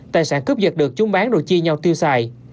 tài sản cướp giật được chúng bán đồ chi nhau tiêu xài